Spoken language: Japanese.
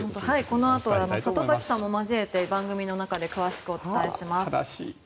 このあと里崎さんも加えて番組の中で詳しくお伝えします。